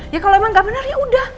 ya kalau emang gak benar ya udah